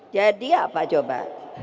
jadi apa coba